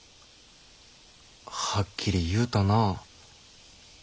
はっきり言うたなあ。